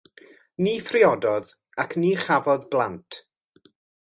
Ni phriododd ac ni chafodd blant.